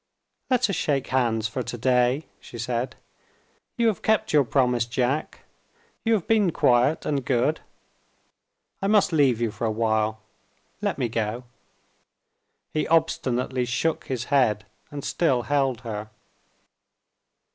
"Let us shake hands for to day," she said; "you have kept your promise, Jack you have been quiet and good. I must leave you for a while. Let me go." He obstinately shook his head, and still held her.